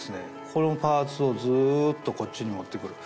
このパーツをずっとこっちに持って来る。